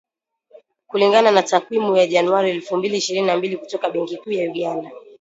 Kulingana na takwimu za Januari elfu mbili ishirini na mbili kutoka Benki Kuu ya Uganda,,